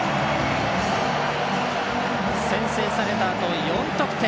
先制されたあと、４得点。